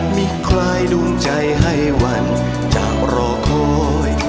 มีใครดูใจให้หวั่นจากรอคอย